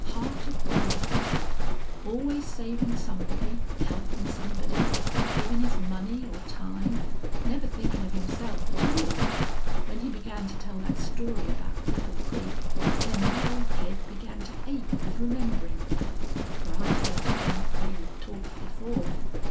Heart of gold, he said. Always savin' somebody, helpin' somebody, givin' his money or time never thinkin' of himself a tall.... When he began to tell thet story about Cripple Creek then my ole head begun to ache with rememberin'. Fer I'd heerd Bent Wade talk before.